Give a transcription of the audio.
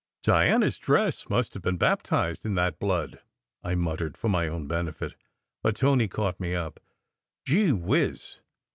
"Diana s dress must have been baptized in that blood," I muttered, for my own benefit, but Tony caught me up. "Gee whiz!